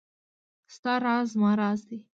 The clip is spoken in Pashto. ستا راز زما راز دی .